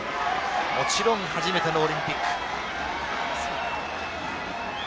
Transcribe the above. もちろん初めてのオリンピック。